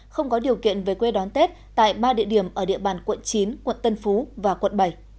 không có điều kiện về quê đón tết tại ba địa điểm ở địa bàn quận chín quận tân phú và quận bảy